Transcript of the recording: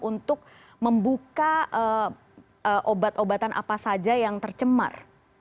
untuk membuka obat obatan apa saja yang tercemar